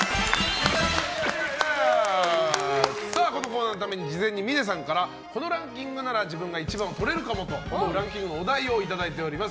このコーナーのために事前に峰さんからこのランキングなら自分が１番をとれるかもと思うランキングのお題をいただいております。